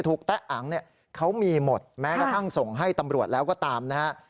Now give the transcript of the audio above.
แต๊ะอังเนี่ยเขามีหมดแม้กระทั่งส่งให้ตำรวจแล้วก็ตามนะฮะ